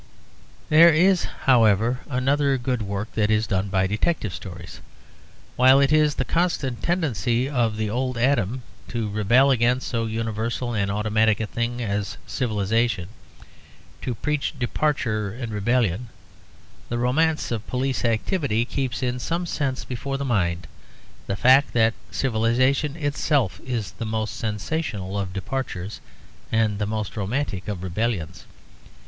There is, however, another good work that is done by detective stories. While it is the constant tendency of the Old Adam to rebel against so universal and automatic a thing as civilization, to preach departure and rebellion, the romance of police activity keeps in some sense before the mind the fact that civilization itself is the most sensational of departures and the most romantic of rebellions.